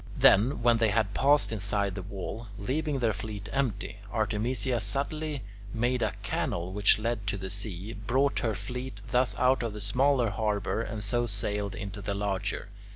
Then, when they had passed inside the wall, leaving their fleet empty, Artemisia suddenly made a canal which led to the sea, brought her fleet thus out of the smaller harbour, and so sailed into the larger.